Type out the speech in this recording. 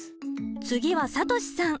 次はさとしさん。